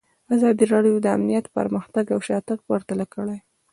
ازادي راډیو د امنیت پرمختګ او شاتګ پرتله کړی.